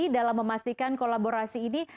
dalam memastikan kolaborasi ini